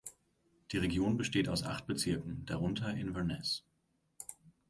Die Region besteht aus acht Bezirken, darunter Inverness.